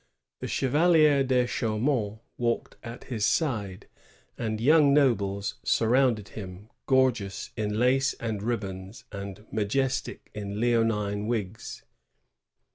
The Chevalier de Chaumont walked at his side, and young nobles surrounded him, gorgeous in lace and ribbons and majestic in leonine wigs.